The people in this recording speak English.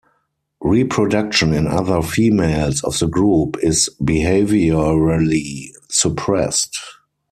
Reproduction in other females of the group is behaviorally suppressed.